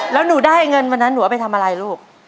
แล้วหนูได้เงินวันนั้นหนูเอาไปทำอะไรลูก